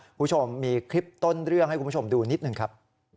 คุณผู้ชมมีคลิปต้นเรื่องให้คุณผู้ชมดูนิดหนึ่งครับ